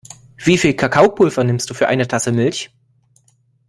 Wie viel Kakaopulver nimmst du für eine Tasse Milch?